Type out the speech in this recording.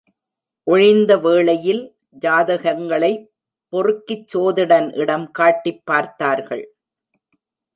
ஒழிந்த வேலையில் ஜாதகங்களைப் பொறுக்கிச் சோதிடன் இடம் காட்டிப்பார்த்தார்கள்.